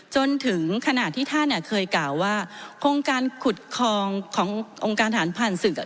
จนถึงขณะที่ท่านเคยกล่าวว่าโครงการขุดคลองขององค์การฐานผ่านศึก